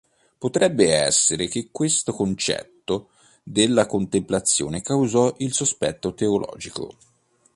Potrebbe essere che questo concetto della contemplazione causò il sospetto teologico.